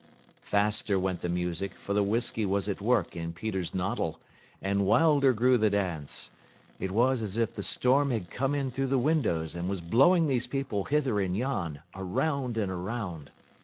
Faster went the music, for the whiskey was at work in Peter's noddle, and wilder grew the dance. It was as if the storm had come in through the windows and was blowing these people hither and yon, around and around.